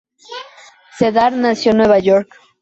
Cedar nació en Nueva York.